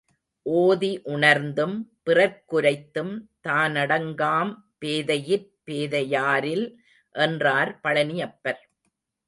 ஓதி உணர்ந்தும், பிறர்க் குரைத்தும், தானடங்காம் பேதையிற் பேதையாரில் என்றார் பழனியப்பர்.